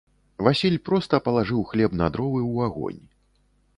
Васіль проста палажыў хлеб на дровы ў агонь.